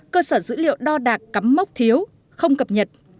cơ sở dữ liệu đo đạc cắm mốc thiếu không cập nhật